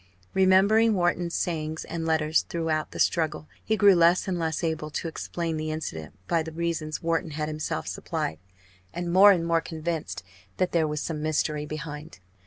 Remembering Wharton's sayings and letters throughout the struggle, he grew less and less able to explain the incident by the reasons Wharton had himself supplied, and more and more convinced that there was some mystery behind.